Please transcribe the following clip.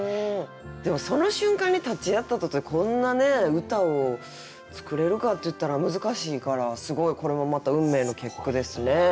でもその瞬間に立ち会ったとてこんなね歌を作れるかっていったら難しいからすごいこれもまた「運命の結句」ですね。